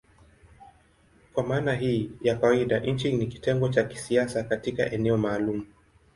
Kwa maana hii ya kawaida nchi ni kitengo cha kisiasa katika eneo maalumu.